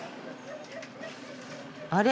あれ？